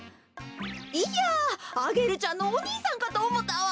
いやアゲルちゃんのおにいさんかとおもったわ。